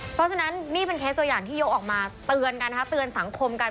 เพราะฉะนั้นนี่เป็นเคสตัวอย่างที่ยกออกมาเตือนกันนะคะเตือนสังคมกัน